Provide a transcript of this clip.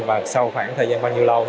và sau khoảng thời gian bao nhiêu lâu